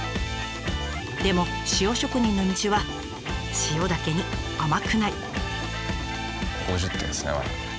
でも塩職人の道は塩だけに甘くない！